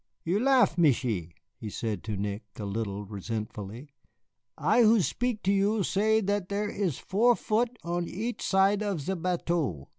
"You laugh, Michié," he said to Nick, a little resentfully. "I who speak to you say that there is four foot on each side of ze bateau.